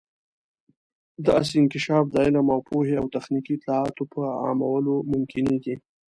داسې انکشاف د علم او پوهې او تخنیکي اطلاعاتو په عامولو ممکنیږي.